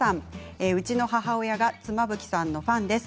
うちの母親が妻夫木さんのファンです。